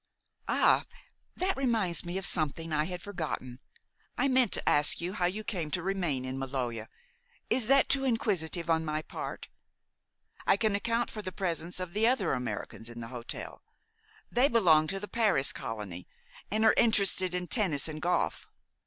"Ah, that reminds me of something I had forgotten. I meant to ask you how you came to remain in the Maloja. Is that too inquisitive on my part? I can account for the presence of the other Americans in the hotel. They belong to the Paris colony, and are interested in tennis and golf.